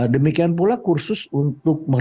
demikian pula kursus untuk